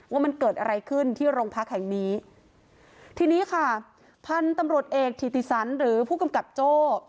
ว่ามันเกิดอะไรขึ้นที่โรงพักแห่งนี้ทีนี้ค่ะพันธุ์ตำรวจเอกถิติสันหรือผู้กำกับโจ้